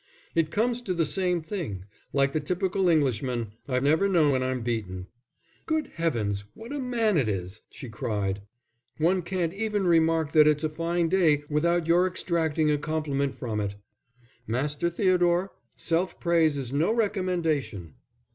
"It comes to the same thing. Like the typical Englishman, I never know when I'm beaten." "Good heavens, what a man it is!" she cried. "One can't even remark that it's a fine day without your extracting a compliment from it. Master Theodore, self praise is no recommendation."